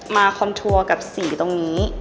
มาคอนโทรอกับสีตรงนี้